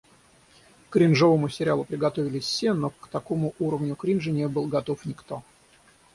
К кринжовому сериалу приготовились все, но к такому уровню кринжа не был готов никто.